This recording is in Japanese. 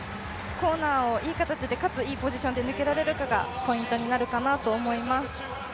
コーナーをいい形でかついいポジションで抜けられるかがポイントになるかなと思います。